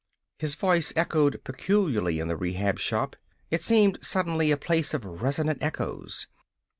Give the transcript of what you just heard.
His voice echoed peculiarly in the Rehab Shop. It seemed suddenly a place of resonant echoes.